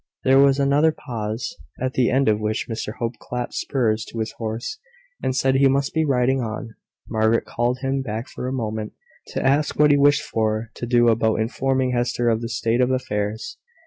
There was another pause, at the end of which Mr Hope clapped spurs to his horse, and said he must be riding on. Margaret called him back for a moment, to ask what he wished her to do about informing Hester of the state of affairs.